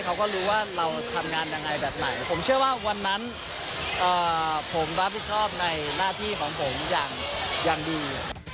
เขาก็รู้ว่าเราทำงานยังไงแบบไหนผมเชื่อว่าวันนั้นผมรับผิดชอบในหน้าที่ของผมอย่างดี